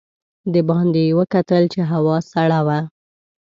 د باندې یې وکتل چې هوا سړه وه.